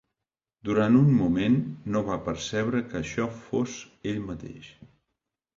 Durant un moment, no va percebre que això fos ell mateix.